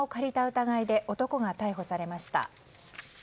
疑いで男が逮捕されました。